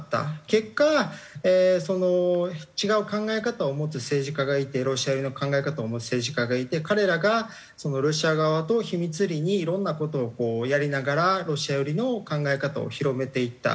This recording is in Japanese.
結果その違う考え方を持つ政治家がいてロシア寄りの考え方を持つ政治家がいて彼らがロシア側と秘密裏にいろんな事をこうやりながらロシア寄りの考え方を広めていった。